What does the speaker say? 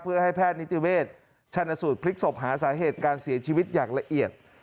เพื่อให้แพทย์นิติเวชชันสูตรพลิกศพหาสาเหตุการเสียชีวิตอย่างละเอียด